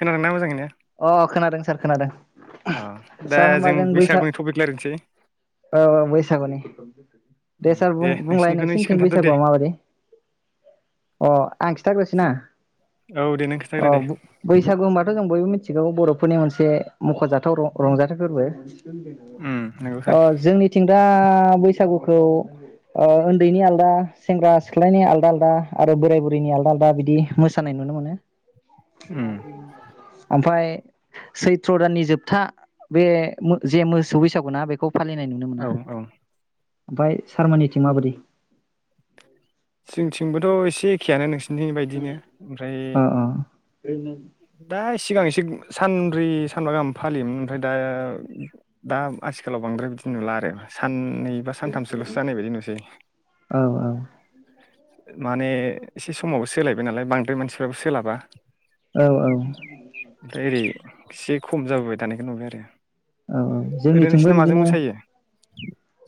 खोनादों ना मोजाङैनो? अ खोनादों सार खोनादों। अ दा सार होनबा जों बैसा बैसागुनि टपिक रायलायनोसै औ औ बैसागुनि उम दे सार बुं-बुंलाय नोंसिनिखौनो नोंसिनि एसे थिं खोन्थादो दे बैसागुआ माबायदि अ आं खिन्थाग्रोसैना औ दे नों अ खोन्थाग्रो दे बैसागु होनबाथ जों बयबो मिथि बर'फोरनि मोनसे मख'जाथाव रंजाथाव फोरबो। उम नंगौ सार अ जोंनिथिं दा बै बैसागुखौ ओ उन्दैनि आलदा सेंग्रा सिख्लानि आलदा आलदा आरो बोराय बुरैनि आलदा आलदा बिदि मोसानाय नुनो मोनो। उम [inaudible] ओमफाय सैथ्र दाननि जोबथा बे मो जे मोसौ बैसागु ना बेखौ फालिनाय नुनो औ मोना औ ओमफाय सार मानिथिं माबायदि? जोंथिंबोथ' एसे एखेयानो नोंसोर बिनि बायदिनो ओमफ्राय अ अ [unintelligible] दा सिगां एसे सानब्रै सानबा गाहाम फालियोमोन ओमफ्राय दा दा आथिखालाव बांद्राय बिदि नुला आरो सान नैबा सानथामसोल'सो जानाय बायदि नुसै औ माने एसे समावबो सोलायबाय नालाय बांद्राय मानसिफ्राबो सोलाबा औ औ ओमफ्राय ओरै एसे खम जाबोबाय थानायखौ नुबाय आरो औ औ ओरैनो जोंनिथिंबो नोंसिना माजों बिदिनो मोसायो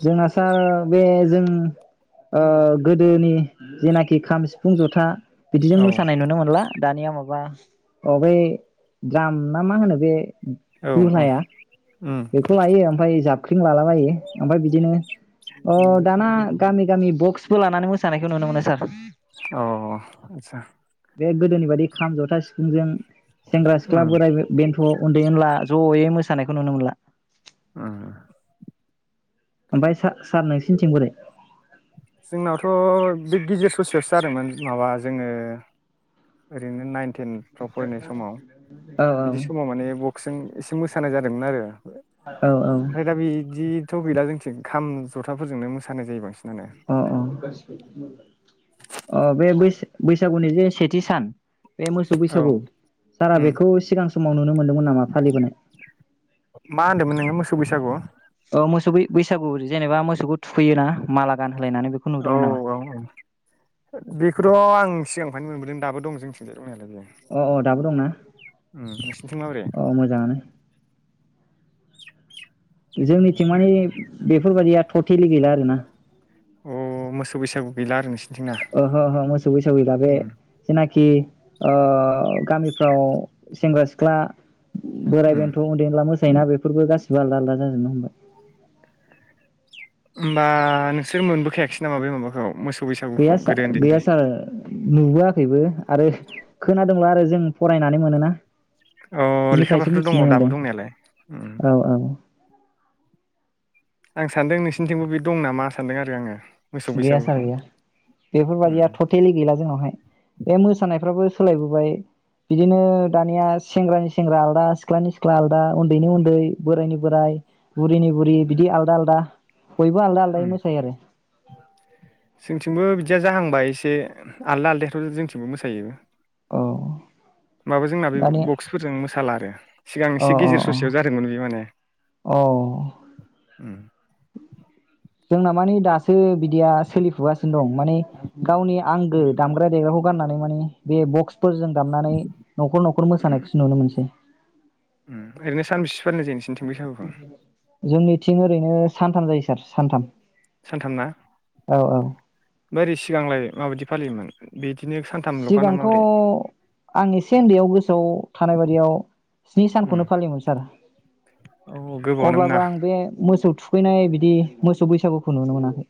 जोंना सार बे जों ओ गोदोनि जेनाखि खाम सिफुं जथा बिदिजों औ मोसानाय नुनो मोनला दानिया माबा अ बै द्राम ना मा होनो बे औ [unintelligible] औ लाया उम बेखौ लायो ओमफ्राय जाब ख्रिं मालाबायो ओमफ्राय बिदिनो अ दाना गामि गामि बक्सबो लानानै मोसानायखौ नुनो मोनो सार। अ आदसा बे गोदोनि बायदि खाम जथा सिफुंजों सेंग्रा सिख्ला उम बोराय बे बेन्थ उन्दै उनला जये मोसानायखौ नुनो मोनला उम ओमफ्राय सा-सार नोंसिनिथिं बोरै? जोंनावथ' बे गिदिर ससेयावसो जादोंमोन माबा जोङो ओरैनो नाइन टेन फ्राव फरायनाय समाव औ बिदि समाव माने ग बकजों एसे मोसानाय जादोंमोन आरो ओमफ्राय दा बिदि थ गैला जोंथिं खाम जथाफोरजों मोसानाय जायो बांसिन। अ अ अ बे बैसो बैसागुनि जे सेथि सान बे मोसौ औ बैसागु सारा उम बेखौ सिगां समाव‌ नुनो मोनदोंमोन नामा फालिबोनाय मा होनदोंमोन नोङो मोसौ बैसागु? ओ मोसौै बैसागु जेनेबा मोसौखौ थुखैयो ना माला गानो। औ औ औ बेखौथ' आं सिगांफ्रायानो मोनबोदों दाबों जोंनिथिं जाय दंनायालाय बेयो अ अ दाबो दंना उम नोंसिनिथिं माबोरै अ मोजाङानो जोंनिथिं माने बेफोरबायदिया थथेलि गैला आरो ना अ मोसौ बैसागु गैला आरो नोंसि ओहो ओहो मोसौ बैसागु [unintelligible] जेनाखि ओ गामिफ्राव सेंग्रा सिख्ला बोराइ उम बेन्थ ओन्दैला मोसायोना बेफोरबो गासै सिबो आलदा आलदा जाजोबनो हमबाय। होमबा नोंसोर मोनबोखायाखसै नामा बे माबाखौ मोसौ बैसागुखौ गैया सा गोदो गैया उन्दैनिफ्राय सार। नुबोआखैबो आरो खोनादोंल आरो जों फरायनानै मोनोना। औ बिनिफ्रायसो लेखाफोरावथ दङ मिथिनो मोनदों दाबो दंनायालाय ओं। औ औ आं सानदों नोंसिनिथिंबो बे दं नामा सानदों आरो आङो। मोसौ गैया सार बैसागुखौ गैया उम बेफोरबादिया टटेलि गैला जोंनावहाय बे मोसानायफ्राबो सोलायबोबाय बिदिनो दानिया सेंग्रानि सेंग्रा आलदा, सिख्लानि सिख्ला आलदा, उन्दैनि उन्दै, बोराइनि बोराइ, बुरिनि बुरि बिदि आलदा आलदा बयबो आलदा आलदायै मोसायो आरो। [inaudible] जोंथि बो बिदिया जाहांबाय एसे आलदा आलदायाथ जोंथिंबो मोसायो। अ माबा जोंना बे बक्सफोरजों मोसाला आरो सिगां अ एसे अ गेजेर अ ससेयाव जादोंमोन बे माने। औ उम। जोंना माने दासो बिदिया सोलिफुगासिनो दं माने गावनि आंगो दामग्रा देग्राखौ गाननानै माने बे बक्स फोरजों दामनानै नखर नखर मोसानायखौसो नुनो मोनसै। ओम ओरैनो सानबिसि फालिनाय जायो नोंसिनि थिं? [inaudible] जोंनि थिं ओरैनो सानथाम जायो सार सानथाम। सानथाम ना? औ औ बोरै सिगांलाय माबायदि फालियोमोन बिदि सिगांथ आं एसे ओन्दैयाव गोसोआव थानाय बादियाव स्नि उम सानखौनो फालियोमोन सार औ गोबावानोमोन ना अब्लाबो आं बे मोसौ थु थुखैनाय बिदि मोसौ बैसागुखौ नुनो मोनाखै।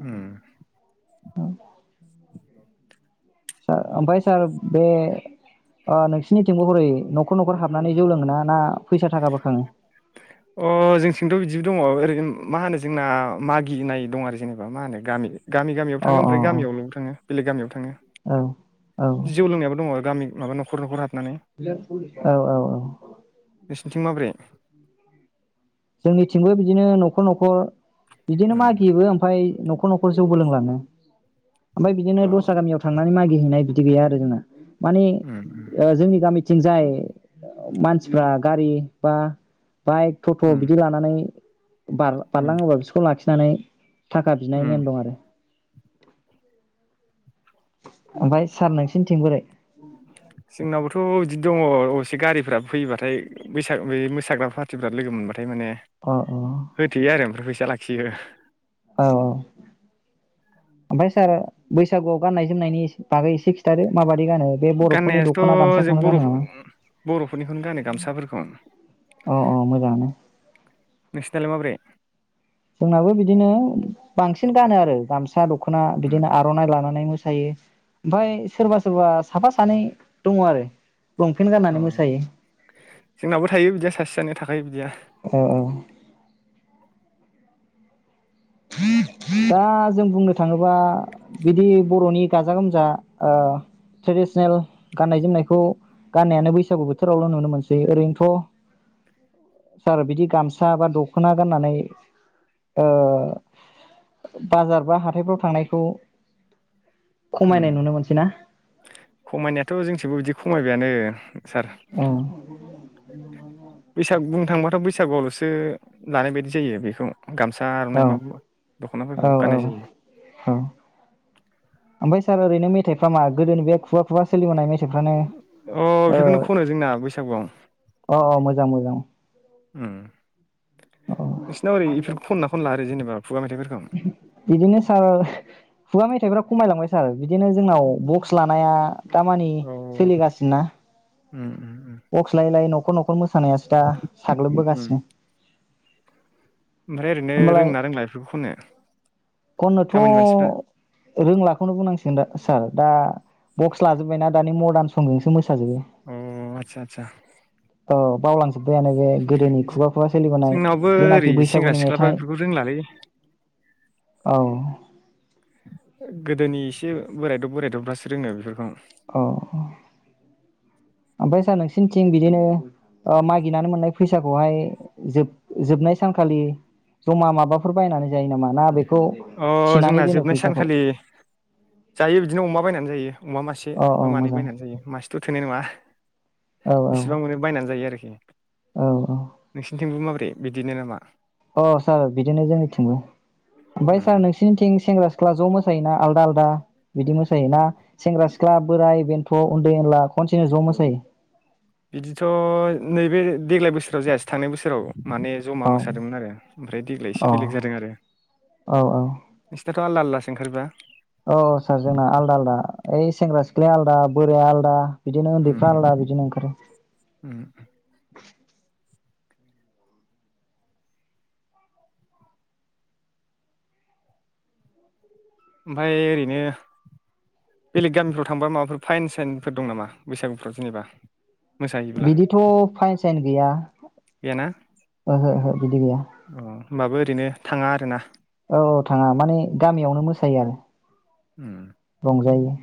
ओम। सार आमफाय सार बे ओ नोंसिनिथिंबो हरै नखर नखर हाबनानै जौ लोङोना ना? फैसा थाखाबो खाङो अ जोंथिंथ बिदिबो दङ ओरै होन मा होनो जोंना मागिनाय दं आरो जेनेबा मा होनो गामि गामि गामियाव अ थाङो अ ओमफ्राय अ गामियावलबो थाङो बेलेग गामियावबो थाङो। औ औ जौ लोंनायाबो दङ गामि माबा नखर नखर हाब औ औ औ बिथिं माब्रै? जोंनिथिंबो बिदिनो नखर नखर बिदिनो उम मागियोबो ओमफाय नखर नखर जौबो लोंलाङो। ओमफ्राय बिदिनो अ दस्रा गामियाव थांनानै मागि हैनाय बिदि गैया आरो जोंना माने उम ओ जोंनि गामि थिंजाय मानसिफ्रा गारि बा बाइक अ उम बिदि लानानै उम बार-बारलाङोबा बिसोरखौ लाखिनानै थाखा बिनाय उम नेम दं आरो ओमफाय सार नोंसिनिथिं बोरै? जोंनावबोथ' बिदि दङ अबसे गारिफोरा फैयोबाथाय बैसाग बे मोसाग्रा फार्टिफ्रा लोगो मोनबा [unintelligible] थाय माने अ होथेयो आरो ओमफ्राय फैसा लाख खियो। औ औ ओमफ्राय सार बैसागुआव गाननाय जोमनायनि इसे बागै एसे खिथादो माबाद गाननायासथ जों बरफ नामा बरफोरनिखौनो गानो गामसाफोरखौ [inaudible] अ अ मोजाङानो नोंसनाल माब्रै? जोंनाबो बिदिनो बांसिन गानो आरो गामसा दख दखना उम बिदिनो आर'नाइ लानानै मो थायो ओमफाय सोरबा सोरबा साफा सानै दङ आरो लंपेन्ट अ गाननानै मोसायो जोंनाबो थायो बिदिया सासे सानैया थाखायो बिदिया। औ औ दा जों बुंनो थाङोबा बिदि बरनि गाजा गोमजा ओ [unintelligible] दा जों बुंनो थाङोब्ला बिदि बरनि गाजा गोमजा ट्रेडिसनेल गान्नाय जोमनायखौ गाननायानो बैसागु बोथोरावल नुनो मोनसै ओरैनोथ सार बिदि गामसा बा दखना गाननानै ओ बाजार बा हाथायफ्राव थांनायखौ खमायनाय ओम नुनो मोनसै ना खमायनायाथ जोंथिबो बिदि खमायबायानो सार अ [inaudible] बैसाग बुंनो थांबाथ बैसागुआवलसो लानाय बायदि जायो बेखौ गामसा औ आर'नाइ माबा दख'नाफोरखौ औ औ गाननाय जायो औ ओमफ्राय सार ओरैनो मेथाइ [unintelligible] गोदो बे खुगा खुगा सोलिबोनाय मेथ फ्रानो अ ओह बेफोरखौनो खनो जोंना बैसागुआव अ अ मोजां मोजां। ओम औ खनला ओरै जेनेबा खुगा मेथाइफोरखौ बिदिनो सार खुगा मेथाइफोरा खमायलांबाय सार बिदिनो जोंनाव बक्स लानाया दामानि औ सोलिगासिनोना उम उम उम बक्स लायै लायै न'खर न खर मोसानायासोदा उम साग्लोबबोगासिनो। ओमफ्राय ओरैनो होमबालाय रोंना रोंला बेफोरखौ खननो खननोथ' गामिनि मानसिफ्रा रोंलाखौनो बुंनांसिगोन दा सार दा बक्स लाजोब्बायना दानि मर्दान संजोंसो मो साजोबो अ आदसा आदसा औ बावलां खुब्बायानो बे गोदोनि खुगा खुगा सोलिबोनाय बो ओरै जेनाखि सेंग्रा बैसागुनि सिख्लाफ्रा मेथाइ बेफोरखौ रोंलालै औ गोदोनि एसे बोरायदब बोरायदबफ्रासो रोंङो बेफोरखौ औ ओमफ्राय सार नोंसिनिथिं बिदिनो ओ मागिनानै मोननाय फैसाखौहाय जोब जोबनाय सानखालि जमा माबाफोर बायनानै जायो नामा ना बे अ' जोंना जोबनाय सानखालि जायो बिदिनो अमा बायनानै जायो। अमा मासे औ बा औ मानै मोजां बायनानै जायो मासेथ' थोनाय नङा औ बेसेबां मोनो बायनानै जायो आरोखि। दे औ नोंसिनिथिंबो माबो दे बिदिनो नामा? अ सार बिदिनो जोंनिथिंबो। ओमफाय सार उम नोंसिनिथिं सेंग्रा सि ख्ला ज मोसायोना आलदा आलदा बिदि मोसायोना सेंग्रा सिख्ला बोराय बेनिफ्राय थ' उन्दै उनला खनसेनो ज' मोसायो। बिदिथ' नैबे देग्लाय बोसोराव जायासै थांनाय बोसोराव माने जमा मोसादोंमोन आरो ओमफ्राय देग्लाय एसे औ बेलेग जादों आरो औ नोंसिनाथ' आलदा आलदा ओंखारोबा औ सार जोंना आलदा आलदा ओइ सेंग्रा सिख्लाया आलदा बोराया आलदा बिदिनो उम उन्दैफ्रा आलदा बिदिनो ओंखारो। उम ओमफाय ओरैनो बेलेग गामिफ्राव थांबा माबाफोर फाइन साइनफोर दं नामा बैसागुफ्राव जेनेबा? मोसाहैयोब्ला बिदिथ फाइन साइन गैया गैयाना ओहो ओहो बिदि गैया अ होमबाबो ओरैनो थाङा आरो ना। औ औ थाङा माने गामियावनो मोसायो आरो। उम रंजायो।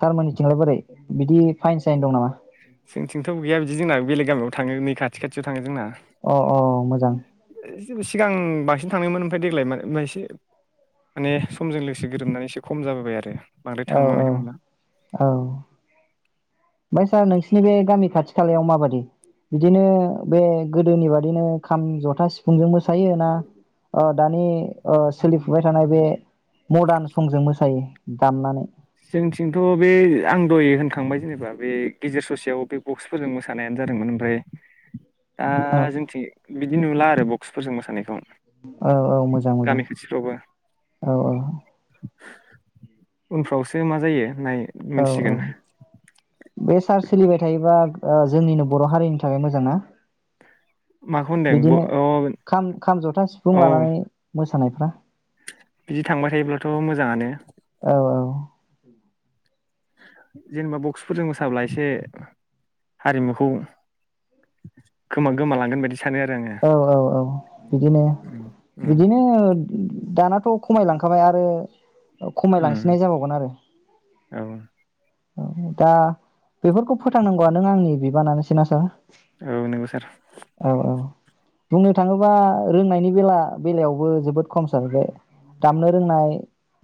सारमोननिथिंलाय बोरै बिदि फाइन साइन दं नामा? जोंथिंथ' गैया बिदि जोंना बेलेग गामियाव थाङो नै खाथि खाथियाव थाङो जोंना अ अ मोजां। सिगां बांसिन थांनायमोन ओमफ्राय देग्लाय मान ओमफ्राय माने समजों लोगोसे गोरोबनानै एसे खम जाबोबाय आरो। बांद्राय औ औ थांबांनायखौ नुला। बै सार नोंसिनि बे गामि खाथि खालायाव माबादि बिदिनो बे गोदोनि बादिनो खाम जथा सिफुंजों मोसायो ना दानि सोलिफुबाय थानाय बे मदार्न संजों मोसायो दामनानै जोंथिंथ' बे आं दहाय होनखांबाय जेनेबा बे गेजेर ससेयाव बे बक्सफोरजों मोसानायानो जादोंमोन ओमफाय दा औ जोंथिं बिदि नुला आरो ब खुफोरजों मोसानायखौ औ औ मोजां मोजां गामि खाथिफ्रावबो औ औ । उनफ्रावसो बे मा जायो नाय औ औ मिथिसिगोन। बे सान्स सोलिबाय थायोबा जोंनिनो बर' हारिनि थाखाय मोजां ना? माखौ होनदों ब बिदिनो अ खाम खाम जथा सिफुं औ लानानै मोसानाय हा बिदि थांबाय थायोब्लाथ मोजाङानो औ जेनेबा बक्सफोरजों मोसाब्ला एसे हारिमुखौ गोमा गोमालांगोन बायदिसो औ औ औ। बिदिनो उम उम बिदिनो दानाथ' खमायलांखाबाय आरो खमायलांसिननाय उम जाबावगोन आरो। औ दा बेफोरखौ फोथांनांगौआ नों आंनि बिबानानोसै ना सार औ नोंगौ सार। औ बुंनो थाङोबा रोंनायनि बेला बेलायावबो जोबोद खमसार बे दामनो रोंनाय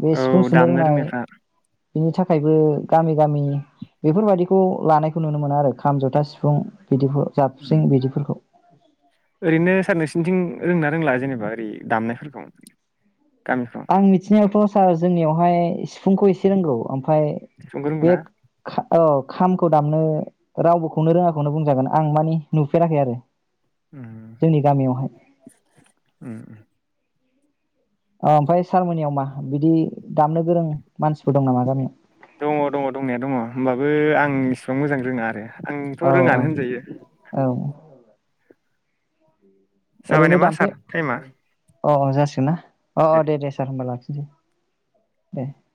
बे सिफुं औ सुनो दामनो रोंनाय रोंनायफ्रा बिनि थाखायबो गामि गामि बेफोरबायाददिखौ लानायखौ नुनो मोनो आरो खाम जथा सिफुं बिदि उम जाबस्रिं बिदिफोरखौ। ओरैनो सार नोंसोरनिथिं रोंना रोंला जेनेबा ओरै दामनायफोरखौ गामिफ्राव आं मिथिनायाथ सार जोंनियावहाय फुंखौ एसे रोंगौ आमफाय सिफुंखौ रोंगौना? बे खा औ खामखौ दामनो रावबोखौनो रोङाखौनो बुंजागोन आं माने नुफेराखै आरो। उम जोंनि गामियावहाय उम। ओ आमफ्राय सारमोननियाव मा बिदि दामनो गोरों मानसिफोर दं नामा गामियाव? दङ दङ दंनाया दङ होमबाबो आं इसिबां मोजां रोङा आरो। आंथ' औ औ रोनानै होनजायो। औ जाबाय ओरैनो नामा दामफे सार टाइमा? अ अ जासिगोनना। अ अ दे दे सार होमबा ला उम दे।